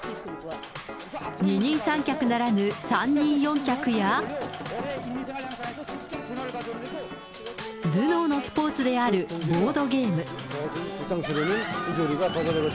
二人三脚ならぬ、三人四脚や、頭脳のスポーツであるボードゲーム。